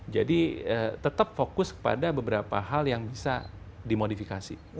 jadi tetap fokus pada beberapa hal yang bisa dimodifikasi